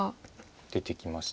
出てきました。